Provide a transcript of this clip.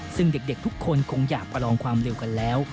ซึ่งเด็กทุกคนคงอยากประลองความเร็วกันแล้ว